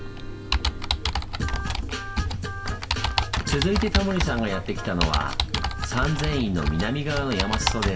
続いてタモリさんがやって来たのは三千院の南側の山裾です。